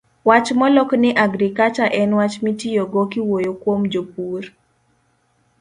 wach molok ni "agriculture" en wach mitiyogo kiwuoyo kuom pur.